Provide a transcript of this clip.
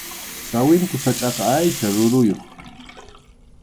Sawintu sachʼaqa aycha ruruyuq